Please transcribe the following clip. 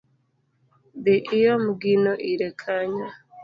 Dhi iom gino ire kanyo